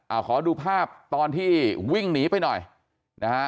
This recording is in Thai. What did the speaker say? เอาขอดูภาพตอนที่วิ่งหนีไปหน่อยนะฮะ